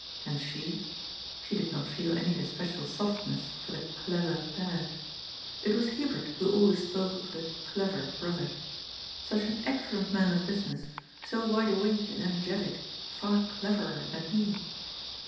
And she ? She did not feel any especial softness for the ^^ clever " pair. It was Hubert who always spoke of the " clever " brother. Such an excellent man of business, so wide awake and energetic, far " cleverer " than he.